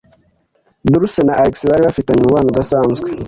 Dulce na Alex bari bafitanye umubano udasanzwe.